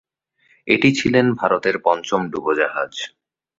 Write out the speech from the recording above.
এটি ছিলেন ভারতের পঞ্চম ডুবোজাহাজ।